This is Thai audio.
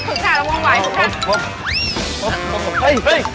เผื่อจ่าแล้วมองไหวก็จัด